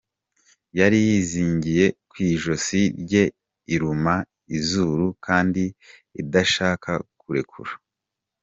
"Yari yizingiye ku ijosi rye iruma izuru kandi idashaka kurekura.